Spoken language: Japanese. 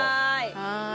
はい！